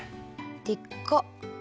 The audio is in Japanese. でっか！